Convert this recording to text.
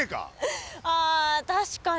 ああ確かに。